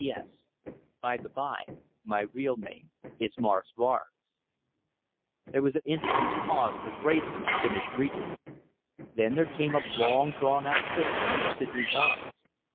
"P.S. By the bye, my real name is Morris Barnes!" There was an instant's pause as Wrayson finished reading. Then there came a long drawn out whisper from Sydney Barnes.